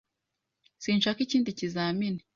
Sinshaka ikindi kizamini.